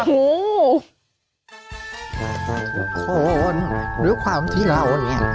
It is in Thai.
ทุกคนด้วยความที่เราเนี่ย